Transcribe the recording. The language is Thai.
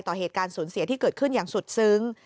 ต่อเหตุการณ์สูญเสียที่เกิดขึ้นอย่างสุดซึ้ง